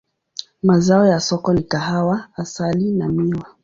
Mazao ya soko ni kahawa, asali na miwa.